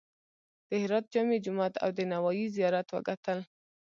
د هرات جامع جومات او د نوایي زیارت وکتل.